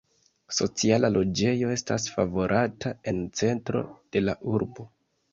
Sociala loĝejo estas favorata en centro de la urbo.